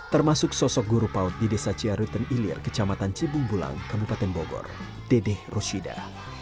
termasuk sosok guru paut di desa ciaruten ilir kecamatan cibung bulang kabupaten bogor dedeh roshida